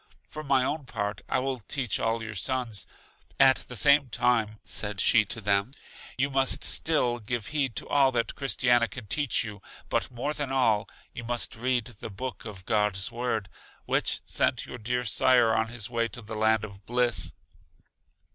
For my own part, I will teach all your sons. At the same time, said she to them: You must still give heed to all that Christiana can teach you, but more than all, you must read the Book of God's Word, which sent your dear sire on his way to the land of bliss.